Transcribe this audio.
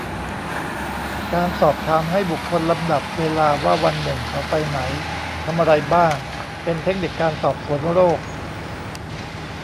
การสอบถามให้บุคคลลำดับเวลาว่าวันหนึ่งเขาไปไหนทำอะไรบ้าง เป็นเทคนิคการสอบสวนโรค